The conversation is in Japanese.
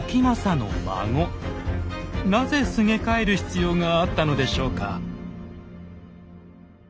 なぜすげ替える必要があったのでしょうか。